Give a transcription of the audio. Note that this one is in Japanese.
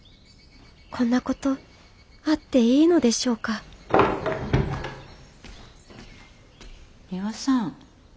こんなことあっていいのでしょうかミワさん。